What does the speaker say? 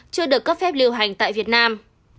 chưa được cấp phép điều hành tại việt nam